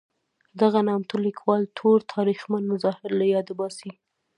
دغه نامتو لیکوال ټول تاریخمن مظاهر له یاده باسي.